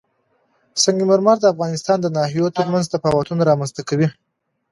سنگ مرمر د افغانستان د ناحیو ترمنځ تفاوتونه رامنځ ته کوي.